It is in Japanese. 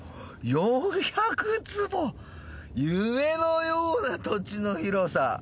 夢のような土地の広さ！